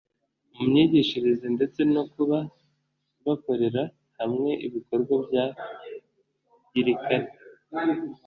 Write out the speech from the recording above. mu myigishirize ndetse no kuba bakorera hamwe ibikorwa bya girikare